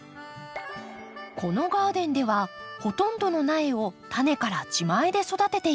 このガーデンではほとんどの苗をタネから自前で育てています。